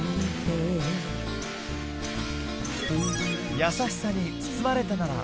やさしさに包まれたなら。